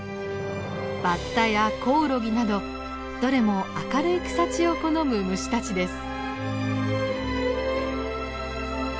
バッタやコオロギなどどれも明るい草地を好む虫たちです。